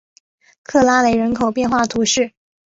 克拉雷人口变化图示